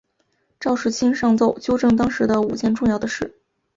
赵世卿上奏纠正当时的五件重要的事。